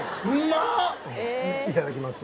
いただきます